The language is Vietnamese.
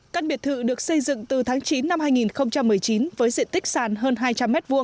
căn biệt thự được xây dựng từ tháng chín năm hai nghìn một mươi chín với diện tích sàn hơn hai trăm linh m hai